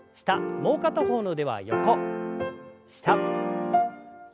もう片方の腕は横下横。